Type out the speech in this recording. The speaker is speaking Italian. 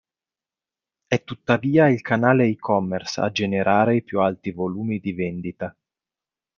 È tuttavia il canale e-commerce a generare i più alti volumi di vendita.